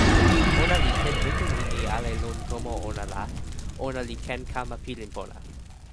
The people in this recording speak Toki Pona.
ona li ken lukin e ni ale lon tomo ona la, ona li ken kama pilin pona.